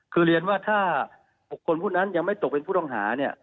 คือเรียนว่าถ้า๖คนผู้นั้นยังไม่ตกเป็นผู้ต้องหาเนี่ย